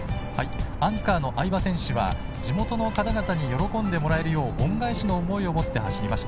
アンカーの相葉選手は地元の方々に喜んでもらえるよう恩返しの思いを持って走りました。